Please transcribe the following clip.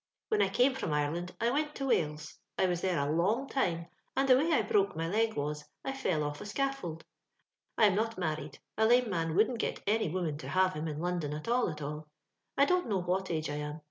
Ifhao I eame from Ireland I went to Walee. X waa there e limg time; and the wy I Woke ay fag wa8|I ftU off e aoaflbld. I am not manied: elame man wouldn't gat aoy woman lo haifo bim in London at all, at all I dont loiow what age I am.